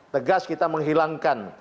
tegas kita menghilangkan